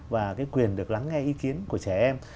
và cái quyền được lắng nghe ý kiến của trẻ em